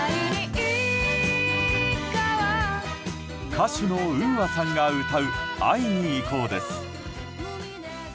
歌手のＵＡさんが歌う「会いにいこう」です。